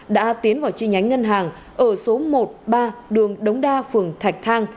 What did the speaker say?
đã tiến vào chi nhánh ngân hàng ở số một ba đường đống đa phường thạch thang